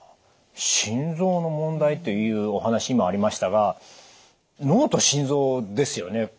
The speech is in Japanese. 「心臓の問題」というお話にもありましたが脳と心臓ですよね。